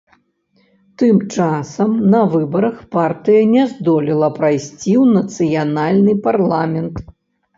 Тым часам, на выбарах партыя не здолела прайсці ў нацыянальны парламент.